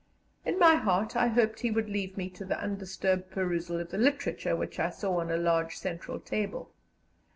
In my heart I hoped he would leave me to the undisturbed perusal of the literature which I saw on a large centre table.